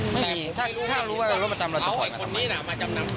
ไม่มีถ้ารู้ว่ารถมาจำเราจะข่อยมาทำไม